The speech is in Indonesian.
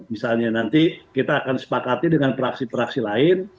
misalnya nanti kita akan sepakati dengan praksi praksi lain